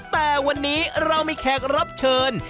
แต่วันนี้เรามีแขกรับเชิญ